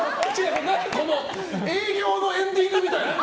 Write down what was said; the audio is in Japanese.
営業のエンディングみたい。